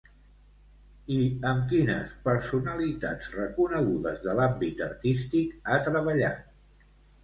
I amb quines personalitats reconegudes de l'àmbit artístic ha treballat?